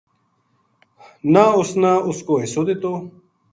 نہ اُس نا اُس کو حصو دِتو